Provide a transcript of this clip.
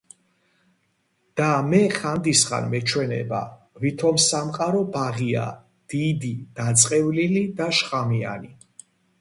და მე ხანდისხან მეჩვენება ვითომ სამყარო ბაღია დიდი დაწყევლილი და შხამიანი